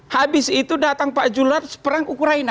habis itu datang pak jules perang ukraina